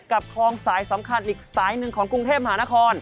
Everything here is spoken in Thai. กับคลองสายสำคัญอีกสายหนึ่งของกรุงเทพมหานคร